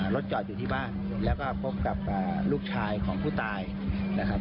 รถจอดอยู่ที่บ้านแล้วก็พบกับลูกชายของผู้ตายนะครับ